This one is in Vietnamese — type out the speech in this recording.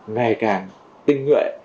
ngày càng tinh nguyện